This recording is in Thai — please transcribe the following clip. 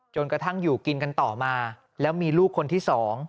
กระทั่งอยู่กินกันต่อมาแล้วมีลูกคนที่๒